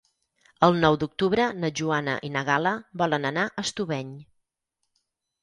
El nou d'octubre na Joana i na Gal·la volen anar a Estubeny.